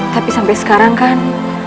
tapi sampai sekarang kan